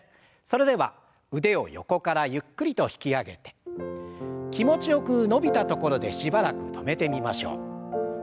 それでは腕を横からゆっくりと引き上げて気持ちよく伸びたところでしばらく止めてみましょう。